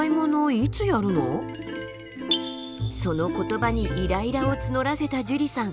その言葉にイライラを募らせたじゅりさん。